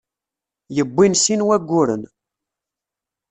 Yewwin sin wagguren.